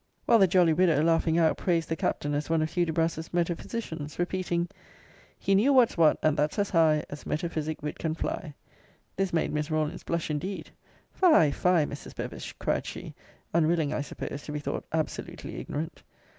While the jolly widow, laughing out, praised the Captain as one of Hudibras's metaphysicians, repeating, He knew what's what, and that's as high As metaphysic wit can fly. This made Miss Rawlins blush indeed: Fie, fie, Mrs. Bevis! cried she, unwilling, I suppose, to be thought absolutely ignorant.